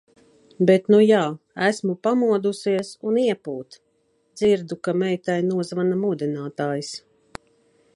Bet nu jā, esmu pamodusies un iepūt! Dzirdu, ka meitai nozvana modinātājs.